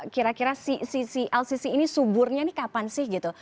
kira kira sisi lcc ini suburnya ini kapan sih gitu